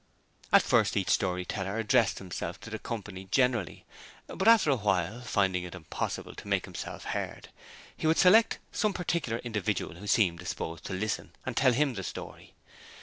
At first each story teller addressed himself to the company generally, but after a while, finding it impossible to make himself heard, he would select some particular individual who seemed disposed to listen and tell him the story.